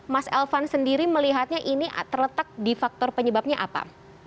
mas elvan sendiri melihatnya ini terletak di faktor penyebabnya apa